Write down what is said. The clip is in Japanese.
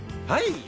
はい！